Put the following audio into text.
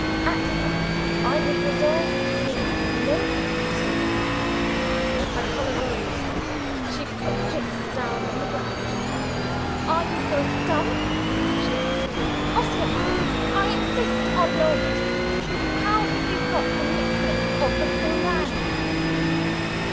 Actively, I was resolved to take no part in deceiving her. Her color rose; she put Jicks down on the ground. "Are you both dumb?" she asked. "Oscar! I insist on knowing it how have you got the nick name of 'The Blue Man'?"